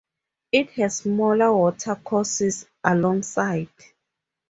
It has smaller watercourses alongside.